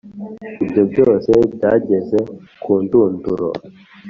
Ibyo byose byageze kundunduro